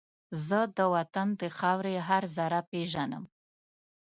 زه د وطن د خاورې هر زره پېژنم